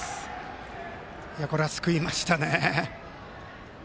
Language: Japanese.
これは救いましたね。